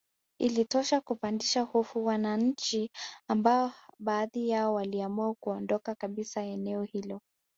Ilitosha kupandisha hofu wananchi ambao baadhi yao waliamua kuondoka kabisa eneo hilo